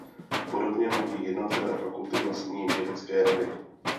Podobně mají jednotlivé fakulty vlastní vědecké rady.